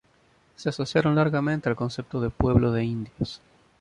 Se asociaron largamente al concepto de Pueblo de Indios.